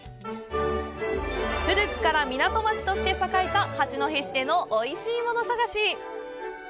古くから港町として栄えた八戸市でおいしいもの探し！